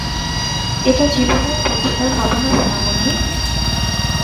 এটা জীবনেও পরিস্কার হবেনা, সোনামণি।